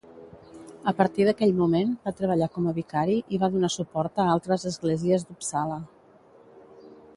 A partir d'aquell moment, va treballar com a vicari i va donar suport a altres esglésies d'Uppsala.